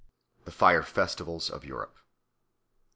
LXII. The Fire Festivals of Europe 1.